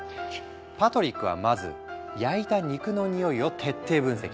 パトリックはまず焼いた肉の匂いを徹底分析。